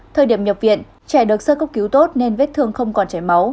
thời điểm nhập viện trẻ được sơ cấp cứu tốt nên vết thương không còn chảy máu